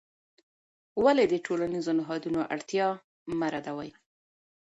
ولې د ټولنیزو نهادونو اړتیا مه ردوې؟